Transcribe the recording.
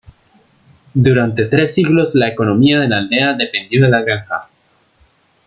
Durante tres siglos, la economía de la aldea dependió de la granja.